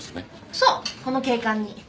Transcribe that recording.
そうこの警官に。